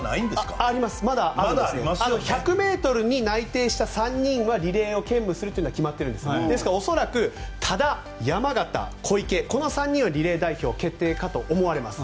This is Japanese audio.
１００ｍに内定した３人はリレーを兼務するというのが決まっているんですが恐らく多田、山縣、小池この３人はリレー代表決定かと思われます。